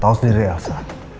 tahu sendiri elsa